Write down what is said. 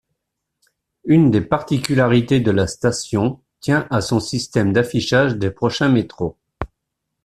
Une des particularités de la station tient à son système d'affichage des prochains métros.